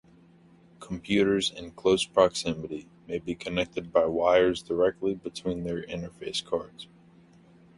Computers in close proximity may be connected by wires directly between their interface cards.